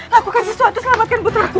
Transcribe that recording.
lakukan sesuatu selamatkan puter aku